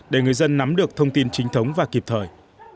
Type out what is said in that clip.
để người dân nắm được thông tin chính thống và kịp thời